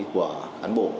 của cán bộ